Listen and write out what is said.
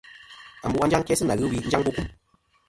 Ambu a njaŋ kæ sɨ nà ghɨ wi njaŋ bu kùm.